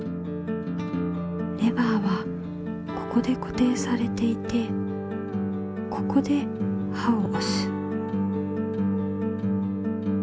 レバーはここでこていされていてここで刃をおす。